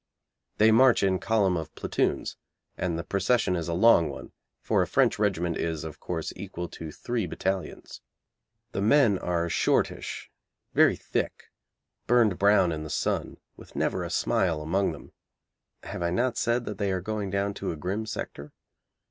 They march in column of platoons, and the procession is a long one, for a French regiment is, of course, equal to three battalions. The men are shortish, very thick, burned brown in the sun, with never a smile among them have I not said that they are going down to a grim sector?